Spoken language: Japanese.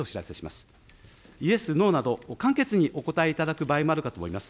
イエス、ノーなど、簡潔にお答えいただく場合もあるかと思います。